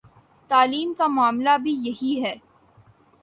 تعلیم کا معاملہ بھی یہی ہے۔